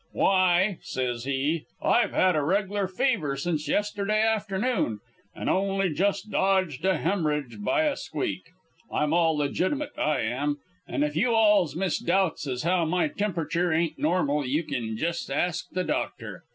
"'Why,' says he, 'I've had a reg'lar fever since yesterday afternoon, an' only just dodged a hem'rage by a squeak. I'm all legitimate, I am; an' if you alls misdoubts as how my tempriture ain't normal you kin jes' ask the doctor.